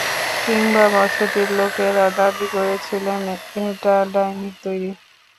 কিংবা বসতির লোকেরা দাবি করেছিল এটা ডাইনির তৈরি।